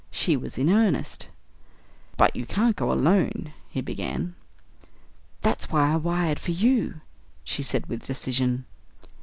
She was in earnest. "But you can't go alone " he began. "That's why I wired for you," she said with decision.